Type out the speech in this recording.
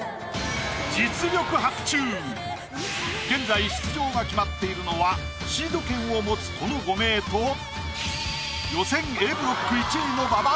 現在出場が決まっているのはシード権を持つこの５名と。